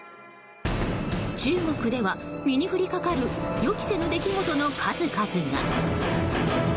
中国では、身に降りかかる予期せぬ出来事の数々が。